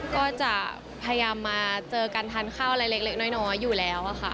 ก็จะพยายามมาเจอกันทานข้าวอะไรเล็กน้อยอยู่แล้วค่ะ